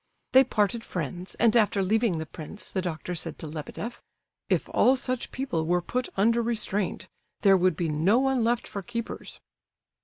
They parted friends, and, after leaving the prince, the doctor said to Lebedeff: "If all such people were put under restraint, there would be no one left for keepers."